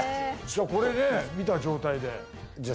これで見た状態でじゃあ